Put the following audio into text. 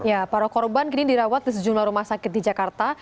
ya para korban kini dirawat di sejumlah rumah sakit di jakarta